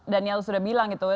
daniel sudah bilang gitu